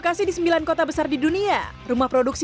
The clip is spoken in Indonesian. nah ini dia sebuah rumah produksi yang memberikan pelatihan produksi